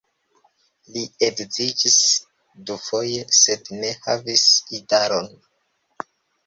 Li edziĝis dufoje, sed ne havis idaron.